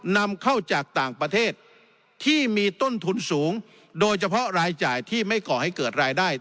นำเข้าจากต่างประเทศที่มีต้นทุนสูงโดยเฉพาะรายจ่ายที่ไม่ก่อให้เกิดรายได้